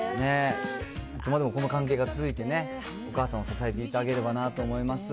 いつまでもこの関係が続いてね、お母さんを支えていってあげればなと思います。